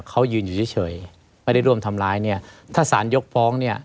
เขายืนอยู่เฉยไม่ได้ร่วมทำร้ายเนี่ยถ้าสารยกฟ้องเนี่ย